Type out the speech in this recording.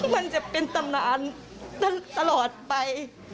มันจะเป็นตำนานตลอดไป